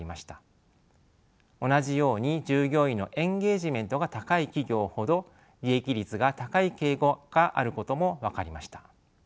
同じように従業員のエンゲージメントが高い企業ほど利益率が高い傾向があることも分かりました。